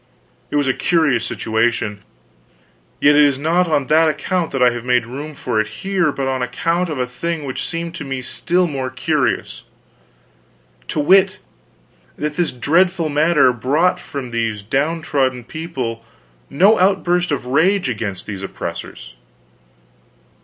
It was a curious situation; yet it is not on that account that I have made room for it here, but on account of a thing which seemed to me still more curious. To wit, that this dreadful matter brought from these downtrodden people no outburst of rage against these oppressors.